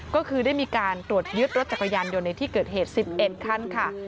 ก็คือได้มีการตรวจยึดรถจักรยานยนต์ในที่เกิดเหตุ๑๑คันค่ะ